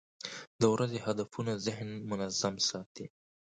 د ورځې هدفونه ذهن منظم ساتي.